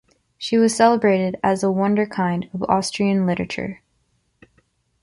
She was celebrated as a wunderkind of Austrian literature.